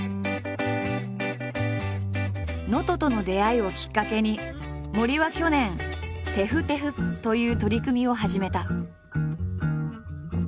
能登との出会いをきっかけに森は去年「ｔｅｆｕｔｅｆｕ」という取り組みを始めた。